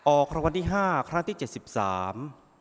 ออกคำวัติห้าครั้งที่เจ็ดสิบสาม